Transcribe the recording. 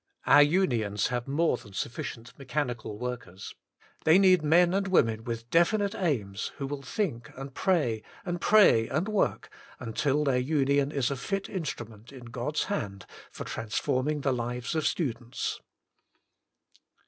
Our Unions have more than sufficient mechanical workers. They need men and women with definite aims, who will think and pray, and pray and work, until their Union is a fit instrument in God's hand for transform ing the lives of students.''